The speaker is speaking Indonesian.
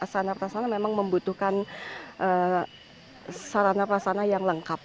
yang secara sarana prasarana memang membutuhkan sarana prasarana yang lengkap